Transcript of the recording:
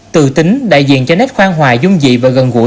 từ tính đại diện cho nét khoan hoài dung dị và gần gũi